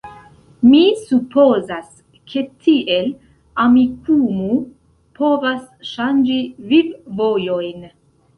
Mi supozas, ke tiel Amikumu povas ŝanĝi viv-vojojn